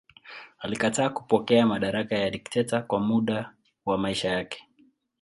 Alikataa kupokea madaraka ya dikteta kwa muda wa maisha yake.